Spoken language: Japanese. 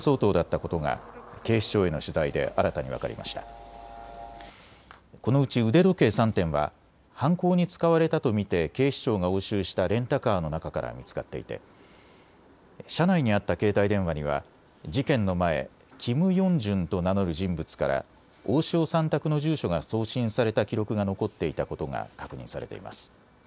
このうち腕時計３点は犯行に使われたと見て警視庁が押収したレンタカーの中から見つかっていて車内にあった携帯電話には事件の前キム・ヨンジュンと名乗る人物から大塩さん宅の住所が送信された記録が残っていたことが確認されています。